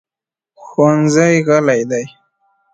ښوونځی غلی دی.